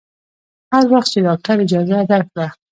هر وخت چې ډاکتر اجازه درکړه.